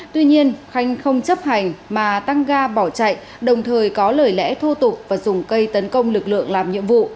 tuy nhiên khanh không chấp hành mà tăng ga bỏ chạy đồng thời có lời lẽ thô tục và dùng cây tấn công lực lượng làm nhiệm vụ